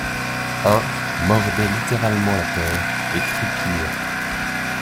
Un mordait littéralement la terre et trépignait.